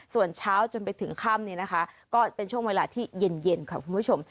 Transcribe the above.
ส่วนเช้าจนไปถึงค่ำเนี่ยนะคะก็เป็นช่วงเวลาที่เย็นค่ะคุณผู้ชม